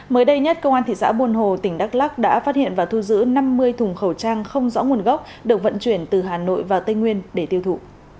mới đây nhất công an thị xã buôn hồ tỉnh đắk lắc đã phát hiện và thu giữ năm mươi thùng khẩu trang không rõ nguồn gốc được vận chuyển từ hà nội vào tây nguyên để tiêu thụ